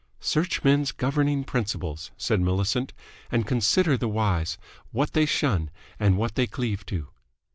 "Search men's governing principles," said Millicent, "and consider the wise, what they shun and what they cleave to."